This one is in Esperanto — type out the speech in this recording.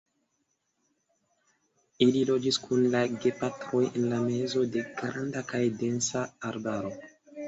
Ili loĝis kun la gepatroj en la mezo de granda kaj densa arbaro.